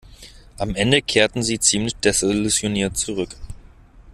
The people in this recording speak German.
Am Ende kehrten sie ziemlich desillusioniert zurück.